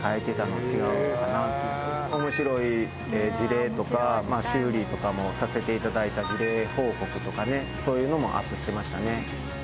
面白い事例とか修理とかもさせていただいた事例報告とかねそういうのもアップしてましたね